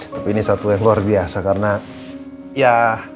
tapi ini satu yang luar biasa karena ya